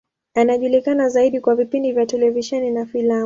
Anajulikana zaidi kwa vipindi vya televisheni na filamu.